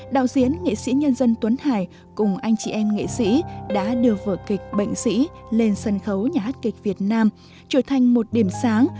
đạo diễn nghệ sĩ nhân dân tuấn hải cùng anh chị em nghệ sĩ đã đưa vở kịch bệnh sĩ lên sân khấu nhà hát kịch việt nam trở thành một điểm sáng